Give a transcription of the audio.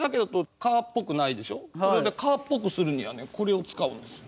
これを蚊っぽくするにはねこれを使うんですよ。